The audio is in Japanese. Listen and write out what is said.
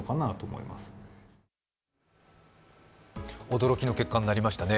驚きの結果になりましたね。